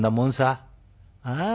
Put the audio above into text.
ああ。